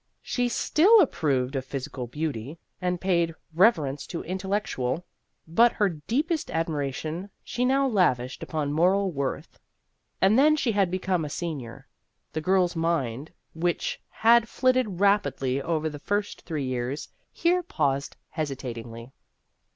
She still ap proved of physical beauty, and paid rever ence to intellectual ; but her deepest admiration she now lavished upon moral worth. And then she had become a senior. The girl's mind, which had flitted rapidly over the first three years, here paused hesitatingly.